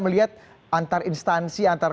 melihat antar instansi antar